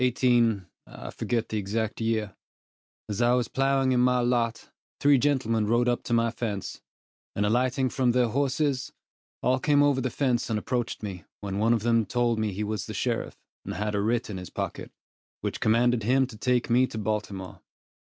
CHAPTER XIX. In the month of June, 18 , as I was ploughing in my lot, three gentlemen rode up to my fence, and alighting from their horses, all came over the fence and approached me, when one of them told me he was the sheriff, and had a writ in his pocket, which commanded him to take me to Baltimore.